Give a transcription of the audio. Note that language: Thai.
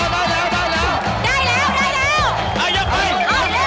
เรียวกว่านี้